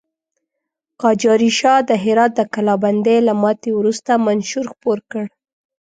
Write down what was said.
قاجاري شاه د هرات د کلابندۍ له ماتې وروسته منشور خپور کړ.